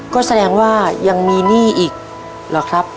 ก็แสดงว่ายังมีหนี้อีกเหรอครับ